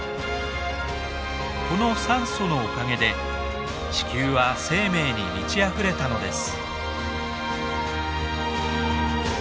この酸素のおかげで地球は生命に満ちあふれたのです。